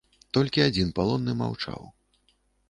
Толькі адзін палонны маўчаў.